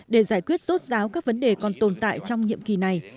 để giải quyết rốt ráo các vấn đề còn tồn tại trong nhiệm kỳ này